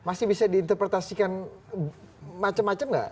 masih bisa diinterpretasikan macam macam nggak